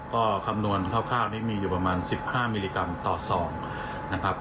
ก็คำนวณคร่าวนี้มีอยู่ประมาณ๑๕มิลลิกรัมต่อซองนะครับ